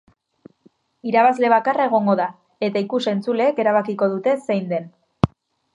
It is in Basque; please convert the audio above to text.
Irabazle bakarra egongo da, eta ikus-entzuleek erabakiko dute zein den.